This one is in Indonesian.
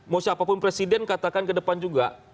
mau siapapun presiden katakan ke depan juga